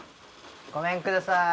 ごめんください。